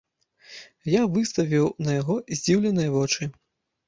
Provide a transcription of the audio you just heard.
Я выставіў на яго здзіўленыя вочы.